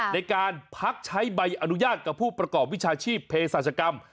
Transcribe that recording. ในการพักใช้ใบอนุญาตกับผู้ประกอบวิชาชีพเพศศาจกรรม